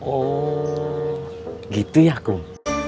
oh gitu ya kum